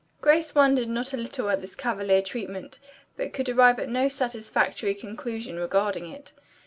Grace wondered not a little at this cavalier treatment, but could arrive at no satisfactory conclusion regarding it.